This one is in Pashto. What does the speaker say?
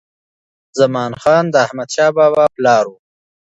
زمان خان د احمدشاه بابا پلار و.